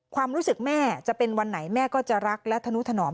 ความรู้สึกแม่จะเป็นวันไหนแม่ก็จะรักและธนุถนอม